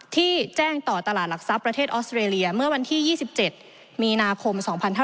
ที่แจ้งต่อตลาดหลักทรัพย์ประเทศออสเตรเลียเมื่อวันที่๒๗มีนาคม๒๕๕๙